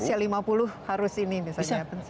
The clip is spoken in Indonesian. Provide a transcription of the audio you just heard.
misalnya tahun usia lima puluh harus ini bisa dihapusin